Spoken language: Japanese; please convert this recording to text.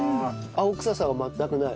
青臭さが全くない。